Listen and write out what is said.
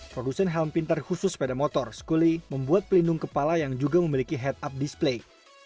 produsen helm pintar khusus sepeda motor skuli membuat pelindung kepala yang juga memiliki head up display